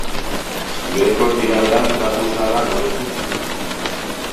Beheko tiraderan trapu zaharrak gordetzen zituen.